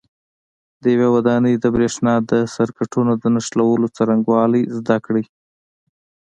د یوې ودانۍ د برېښنا د سرکټونو د نښلولو څرنګوالي زده کړئ.